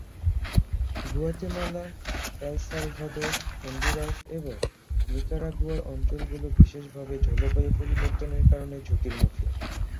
Guatemala, El Salvador, Honduras এবং নিকারাগুয়ার অঞ্চলগুলো বিশেষভাবে জলবায়ু পরিবর্তনের কারণে ঝুঁকির মুখে।